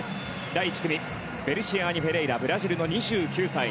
第１組ベルシアーニ・フェレイラブラジルの２９歳。